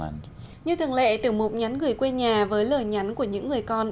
như thường lệ tiểu mục nhắn gửi quê nhà với lời nhắn của những người con